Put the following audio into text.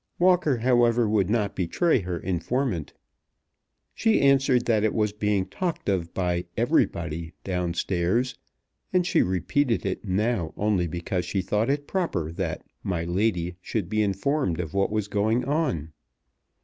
Walker, however, would not betray her informant. She answered that it was being talked of by everybody down stairs, and she repeated it now only because she thought it proper that "my lady" should be informed of what was going on.